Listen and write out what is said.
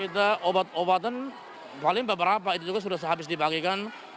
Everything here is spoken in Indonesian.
kita obat obatan paling beberapa itu juga sudah habis dibagikan